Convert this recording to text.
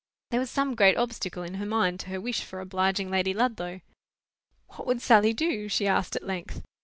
There was some great obstacle in her mind to her wish for obliging Lady Ludlow. "What would Sally do?" she asked at length.